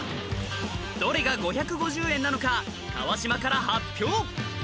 どれが５５０円なのか川島から発表